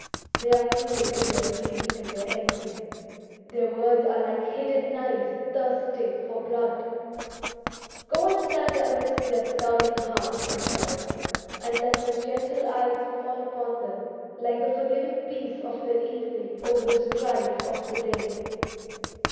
They are cruel in their greed and their envy, their words are like hidden knives thirsting for blood. Go and stand amidst their scowling hearts, my child, and let your gentle eyes fall upon them like the forgiving peace of the evening over the strife of the day.